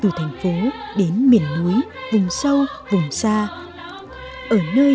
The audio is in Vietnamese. từ tiền tuyến đến hậu phường khắp mọi nơi